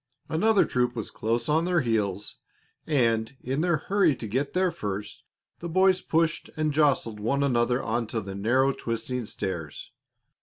Another troop was close on their heels, and, in their hurry to get there first, the boys pushed and jostled one another on the narrow, twisting stairs.